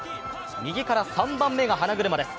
右から３番目が花車です。